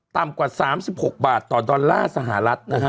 ต่ำกว่า๓๖บาทต่อดอลลาร์สหรัฐนะฮะ